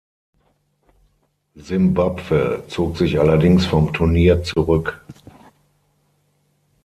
Simbabwe zog sich allerdings vom Turnier zurück.